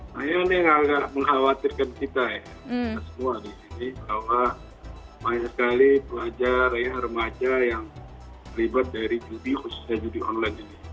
nah ini yang agak mengkhawatirkan kita ya kita semua di sini bahwa banyak sekali pelajar ya remaja yang terlibat dari judi khususnya judi online ini